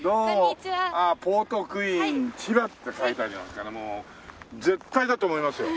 「ポートクイーン千葉」って書いてありますからもう絶対だと思いますよ。